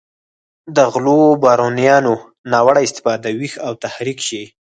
د غلو بارونیانو ناوړه استفاده ویښ او تحریک شي.